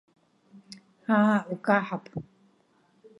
Аа, укаҳап!